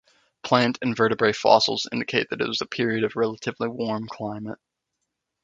Plant and vertebrate fossils indicate that it was a period of relatively warm climate.